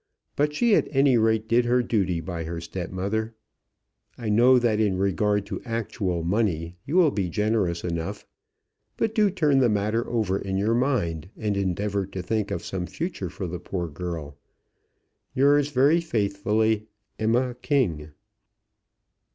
But she, at any rate, did her duty by her step mother. I know that in regard to actual money you will be generous enough; but do turn the matter over in your mind, and endeavour to think of some future for the poor girl. Yours very faithfully, EMMA KING.